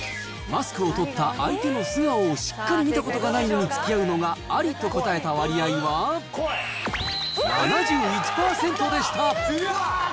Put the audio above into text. マスクを取った相手の素顔をしっかり見たことがないのにつきあうのがありと答えた割合は、７１％でした。